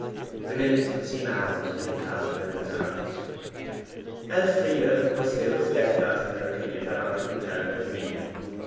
The minutes would seem hours till he clasped her in his arms. Elfride was still steadfast in her opinion that honour compelled her to meet him.